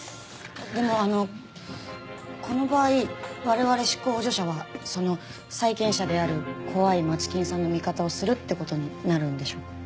でもあのこの場合我々執行補助者はその債権者である怖い街金さんの味方をするって事になるんでしょうか？